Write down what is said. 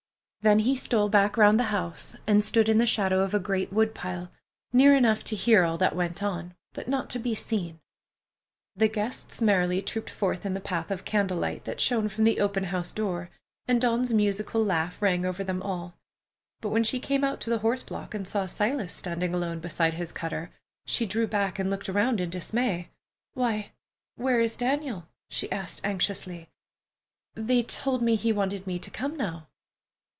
Then he stole back around the house and stood in the shadow of a great wood pile, near enough to hear all that went on, but not to be seen. The guests merrily trooped forth in the path of candle light that shone from the open house door, and Dawn's musical laugh rang over them all; but when she came out to the horse block and saw Silas standing alone beside his cutter, she drew back and looked around in dismay. "Why, where is Daniel?" she asked anxiously. "They told me he wanted me to come now."